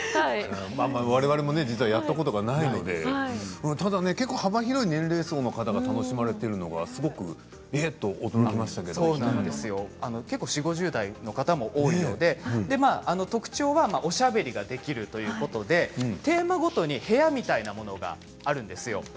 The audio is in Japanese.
われわれもやったことがないのでただ、結構幅広い年齢層の方が楽しまれているというのが４０代、５０代の方も多いので特徴はおしゃべりができるということでテーマごとに部屋みたいなものがあるんですよ。